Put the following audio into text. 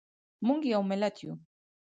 موږ یو ملت یو.